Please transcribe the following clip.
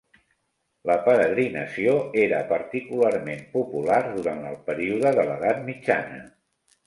La peregrinació era particularment popular durant el període de l'Edat Mitjana.